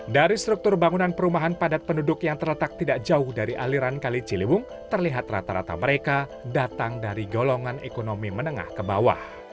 dari struktur bangunan perumahan padat penduduk yang terletak tidak jauh dari aliran kali ciliwung terlihat rata rata mereka datang dari golongan ekonomi menengah ke bawah